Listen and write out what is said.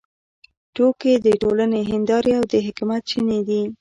ټوکې د ټولنې هندارې او د حکمت چینې دي.